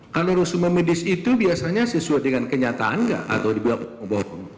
kalau resumen medis itu biasanya sesuai dengan kenyataan enggak atau dibiarkan bohong